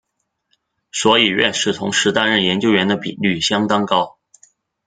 所以院士同时担任研究员的比率相当高。